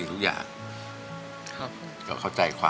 อันดับนี้เป็นแบบนี้